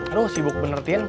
aduh sibuk bener din